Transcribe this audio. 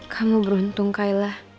kamu beruntung kayla